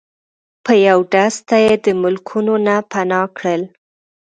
په یو ډز ته یی د ملکونو نه پناه کړل